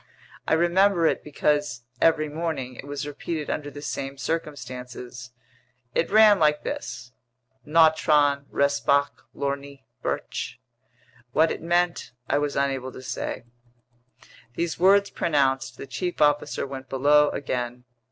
I remember it because, every morning, it was repeated under the same circumstances. It ran like this: "Nautron respoc lorni virch." What it meant I was unable to say. These words pronounced, the chief officer went below again.